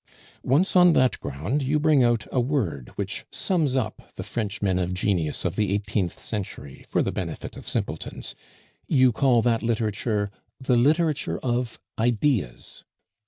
"Once on that ground you bring out a word which sums up the French men of genius of the eighteenth century for the benefit of simpletons you call that literature the 'literature of ideas.